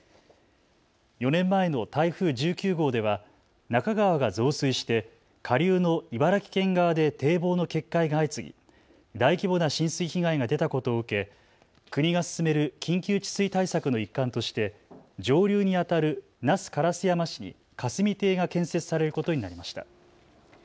４年前の台風１９号では那珂川が増水して下流の茨城県側で堤防の決壊が相次ぎ大規模な浸水被害が出たことを受け国が進める緊急治水対策の一環として上流にあたる那須烏山市に霞堤が建設されることになりました。